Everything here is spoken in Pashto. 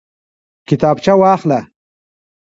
کتابچه واخله